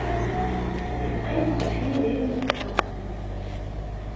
Yeqqim ɣef yidil n tkeṛṛust-nnes.